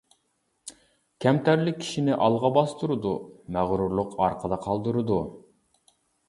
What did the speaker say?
كەمتەرلىك كىشىنى ئالغا باستۇرىدۇ، مەغرۇرلۇق ئارقىدا قالدۇرىدۇ.